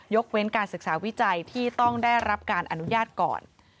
เว้นการศึกษาวิจัยที่ต้องได้รับการอนุญาตก่อน